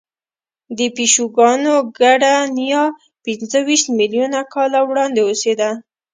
د پیشوګانو ګډه نیا پنځهویشت میلیونه کاله وړاندې اوسېده.